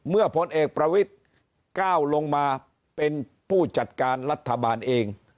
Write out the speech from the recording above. พลเอกประวิทธิ์ก้าวลงมาเป็นผู้จัดการรัฐบาลเอง